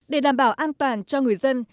để đảm bảo an toàn cho người dân